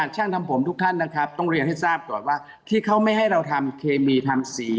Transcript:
ช่างทำผมทุกท่านนะครับต้องเรียนให้ทราบก่อนว่าที่เขาไม่ให้เราทำเคมีทำสี